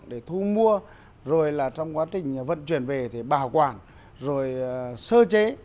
để thu mua rồi là trong quá trình vận chuyển về thì bảo quản rồi sơ chế